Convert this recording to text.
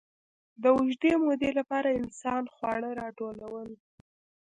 د اوږدې مودې لپاره انسان خواړه راټولول.